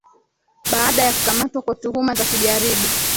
baada ya kukamatwa kwa tuhuma za kujaribu